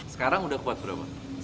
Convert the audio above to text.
sekarang udah kuat berapa